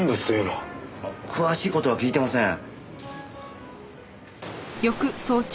詳しい事は聞いてません。